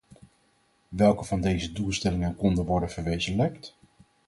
Welke van deze doelstellingen konden worden verwezenlijkt?